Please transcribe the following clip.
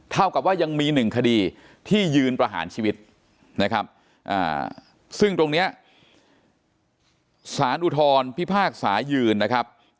เท่ากับว่ายังมีหนึ่งคดีที่ยืนประหารชีวิตนะครับซึ่งตรงนี้สารอุทธรพิพากษายืนนะครับ